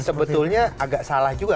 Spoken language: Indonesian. sebetulnya agak salah juga